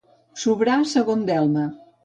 Sobrar segon delme.